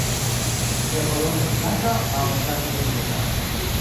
Ĝia koloro estas blanka aŭ flavgrizeta.